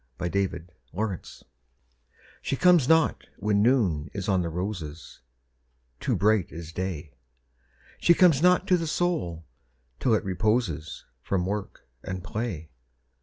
Y Z She Comes Not She comes not when Noon is on the roses Too bright is Day. She comes not to the Soul till it reposes From work and play.